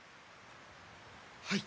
はい。